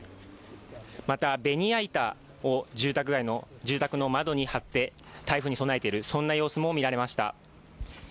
また、ベニヤ板を住宅の窓に貼って台風に備えているそんな様子も見られました。